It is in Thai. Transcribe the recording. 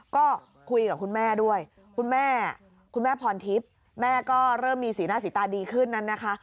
ก็คุยกับคุณแม่ด้วยคุณแม่คุณแม่พรทิพย์แม่ก็เริ่มมีสีหน้าสีตาดีขึ้นนั้นนะคะ